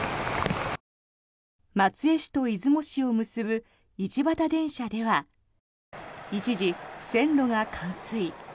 松江市と出雲市を結ぶ一畑電車では一時、線路が冠水。